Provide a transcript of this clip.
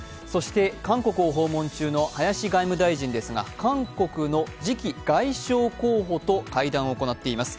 韓国を訪問中の林外務大臣ですが、韓国の次期外相候補と会談を行っています。